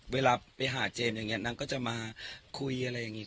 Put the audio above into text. เวลาไปหาเจมส์อย่างนี้นางก็จะมาคุยอะไรอย่างนี้